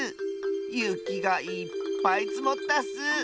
ゆきがいっぱいつもったッス！